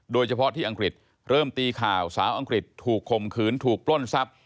โดยเฉพาะที่อังกฤษเริ่มตีข่าวสาวอังกฤษถูกคมขืนถูกปล้นทรัพย์